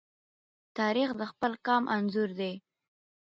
تاریخ د خپل قام انځور دی.